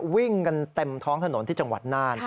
วิ่งกันเต็มท้องถนนที่จังหวัดน่าน